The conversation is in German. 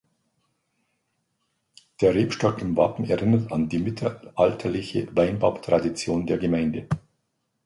Der Rebstock im Wappen erinnert an die mittelalterliche Weinbautradition in der Gemeinde.